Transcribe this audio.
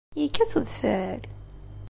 Yekkat udfel?